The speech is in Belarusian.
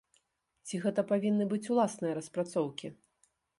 Ці гэта павінны быць уласныя распрацоўкі?